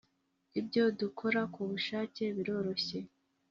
ibyo dukora kubushake biroroshye.